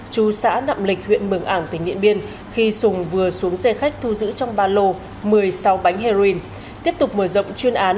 chú xã đạm lịch huyện mường ảng tỉnh điện biên khi sùng vừa xuống xe khách thu giữ trong ba lô một mươi sáu bánh heroin